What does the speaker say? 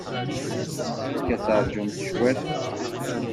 Yessefk ad teṛjumt cwiṭ.